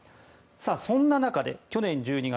そんな中で去年１２月